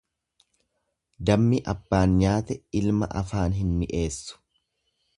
Dammi abbaan nyaate ilma afaan hin mi'eessu.